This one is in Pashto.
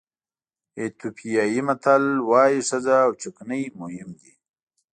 ایتیوپیایي متل وایي ښځه او چکنۍ مهم دي.